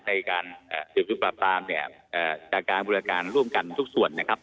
ในการเอ่อปรากตามเนี้ยเอ่อจากการบูรการร่วมกันทุกส่วนนะครับ